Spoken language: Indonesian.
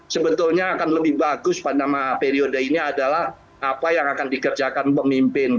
sebetulnya akan lebih bagus pada periode ini adalah apa yang akan dikerjakan pemimpin